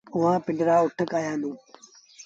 اُئآݩ پنڊرآ اُٺ ڪآهيآندون۔